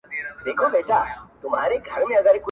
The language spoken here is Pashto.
ښایسته ملکه سمه لېونۍ سوه،